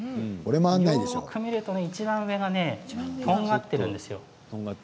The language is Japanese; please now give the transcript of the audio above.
よく見ると、いちばん上がとんがっているんですよ。